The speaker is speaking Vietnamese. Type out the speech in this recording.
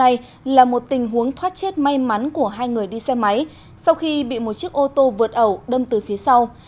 tuy nhiên tình huống thoát chết may mắn của hai người đi xe máy sau khi bị một chiếc ô tô vượt ẩu đâm từ phía sau